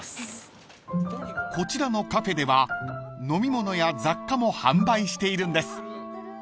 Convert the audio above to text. ［こちらのカフェでは飲み物や雑貨も販売しているんです］